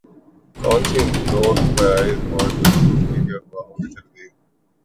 currency note prize bonds منسوخی کی افواہوں کی تردید